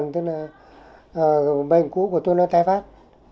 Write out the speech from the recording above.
nên là bệnh cũ của tôi nó tái phát